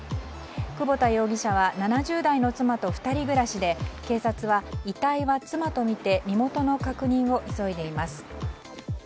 窪田容疑者は７０代の妻と２人暮らしで警察は、遺体は妻とみて身元の確認を急いでいます。